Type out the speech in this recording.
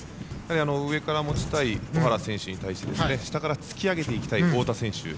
上から持ちたい尾原選手に対して下から突き上げていきたい太田選手。